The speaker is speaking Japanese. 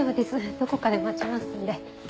どこかで待ちますんで。